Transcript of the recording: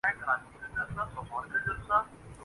مریم اورنگزیب تن تنہا چو مکھی لڑائی لڑ رہی ہیں۔